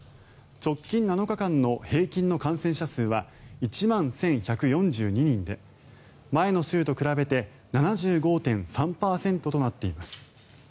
直近７日間の平均の感染者数は１万１１４２人で前の週と比べて７５．３％となっています。